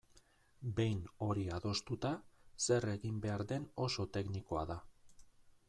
Behin hori adostuta, zer egin behar den oso teknikoa da.